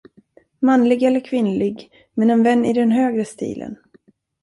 Manlig eller kvinnlig, men en vän i den högre stilen.